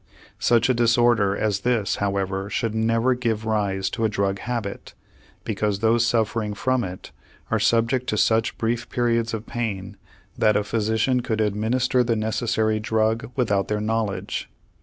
Such a disorder as this, however, should never give rise to a drug habit, because those suffering from it are subject to such brief periods of pain that a physician could administer the necessary drug without their knowledge.